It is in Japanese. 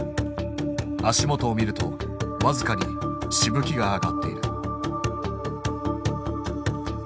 足元を見ると僅かにしぶきが上がっている。